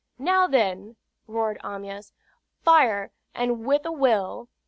"Now, then!" roared Amyas. "Fire, and with a will!